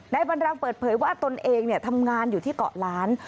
บรรรังเปิดเผยว่าตนเองทำงานอยู่ที่เกาะล้าน